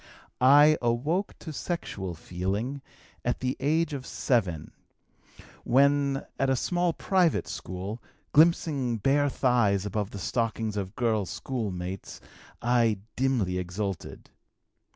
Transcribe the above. "I awoke to sexual feeling at the age of 7, when, at a small private school, glimpsing bare thighs above the stockings of girl schoolmates, I dimly exulted.